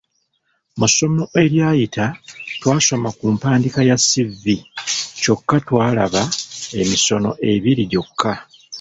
Mu ssomo eryayita twasoma ku mpandiika ya ‘ssivvi’ kyokka twalaba emisono ebiri gyokka.